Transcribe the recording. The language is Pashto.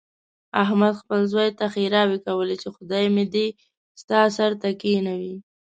احمد خپل زوی ته ښېراوې کولې، چې خدای مې دې ستا سر ته کېنوي.